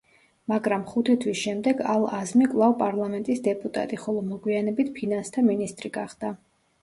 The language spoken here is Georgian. მაგრამ ხუთი თვის შემდეგ ალ-აზმი კვლავ პარლამენტის დეპუტატი, ხოლო მოგვიანებით ფინანსთა მინისტრი გახდა.